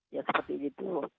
ya seperti itu